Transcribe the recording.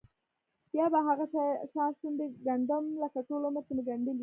بیا به هغه شان شونډې ګنډم لکه ټول عمر چې مې ګنډلې.